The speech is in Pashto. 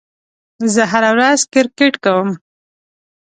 زه هره ورځ کرېکټ کوم.